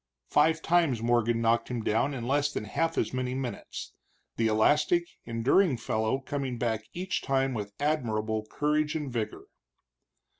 Five times Morgan knocked him down in less than half as many minutes, the elastic, enduring fellow coming back each time with admirable courage and vigor.